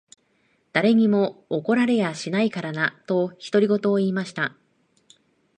誰にも怒られやしないからな。」と、独り言を言いました。